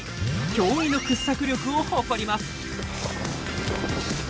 驚異の掘削力を誇ります。